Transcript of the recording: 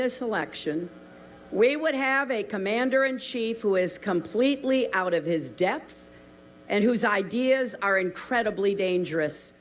สูงสุดไปโดยปริญญา